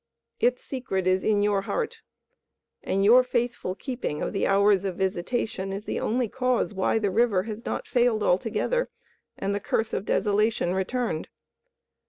Its secret is in your heart, and your faithful keeping of the hours of visitation is the only cause why the river has not failed altogether and the curse of desolation returned.